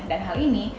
dan hal ini